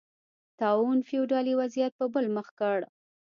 طاعون فیوډالي وضعیت په بل مخ کړ